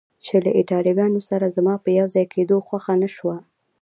چې له ایټالویانو سره زما په یو ځای کېدو خوښه نه شوه.